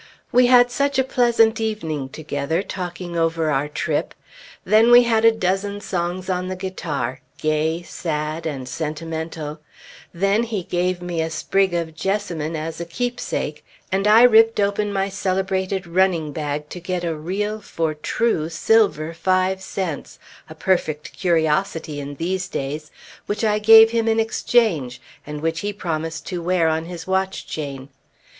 We had such a pleasant evening together, talking over our trip. Then we had a dozen songs on the guitar, gay, sad, and sentimental; then he gave me a sprig of jessamine as a keepsake, and I ripped open my celebrated "running bag" to get a real for true silver five cents a perfect curiosity in these days which I gave him in exchange, and which he promised to wear on his watch chain.